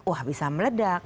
wah bisa meledak